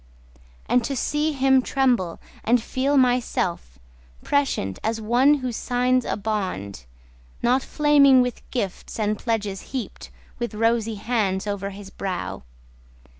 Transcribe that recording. And to see him tremble, and feel myself Prescient, as one who signs a bond— Not flaming with gifts and pledges heaped With rosy hands over his brow.